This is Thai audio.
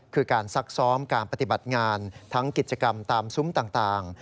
คือการซักซ้อมการปฏิบัติงานทั้งกิจกรรมตามซุ้มต่าง